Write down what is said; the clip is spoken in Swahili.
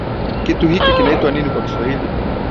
Kitu hiki kinaitwa nini kwa Kiswahili?